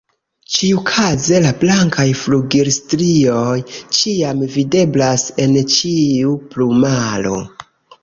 Ĉiukaze la blankaj flugilstrioj ĉiam videblas en ĉiu plumaro.